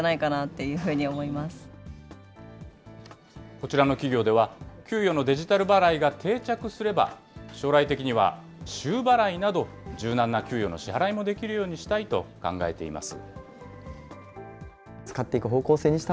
こちらの企業では、給与のデジタル払いが定着すれば、将来的には週払いなど、柔軟な給与の支払いもできるようにしたいと考えています。